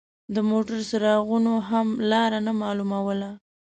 د موټر څراغونو هم لار نه مالوموله.